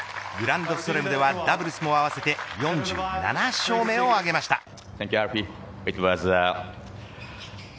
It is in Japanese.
グランドスラムではダブルスも合わせて４７勝目を挙げました。